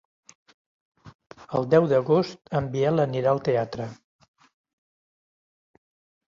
El deu d'agost en Biel anirà al teatre.